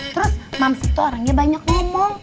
terus mams tuh orangnya banyak ngomong